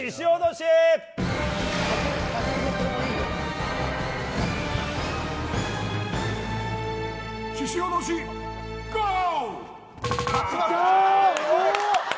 ししおどし、ゴー！